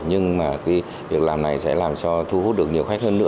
nhưng mà cái việc làm này sẽ làm cho thu hút được nhiều khách hơn nữa